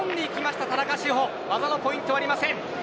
しかし技のポイントはありません。